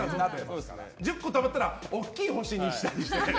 １０個たまったら大きい星にしたりして。